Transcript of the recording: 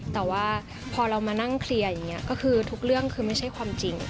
แต่ว่าพอเรามานั่งเคลียร์ทุกเรื่องคือไม่ใช่ความจริง